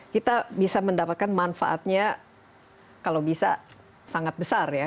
kita bisa mendapatkan manfaatnya kalau bisa sangat besar ya